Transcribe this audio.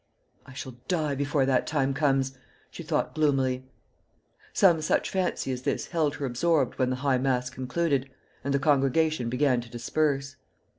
"I shall die before that time comes," she thought gloomily. Some such fancy as this held her absorbed when the high mass concluded, and the congregation began to disperse.